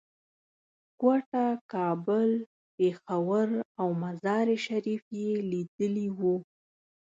کوټه، کابل، پېښور او مزار شریف یې لیدلي وو.